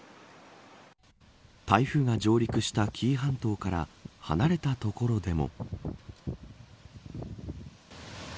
台風が上陸した紀伊半島から離れた所でも。